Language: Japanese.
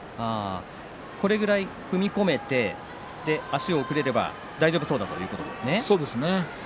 これぐらい踏み込めて足を送れれば大丈夫そうだそうですね。